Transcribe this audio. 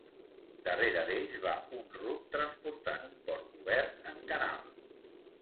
Darrere d'ells va un ruc transportant un porc obert en canal.